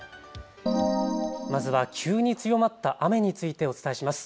まずは急に強まった雨についてお伝えします。